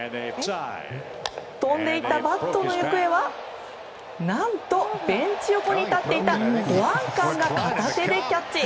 飛んでいったバットの行方は何とベンチ横に立っていた保安官が片手でキャッチ。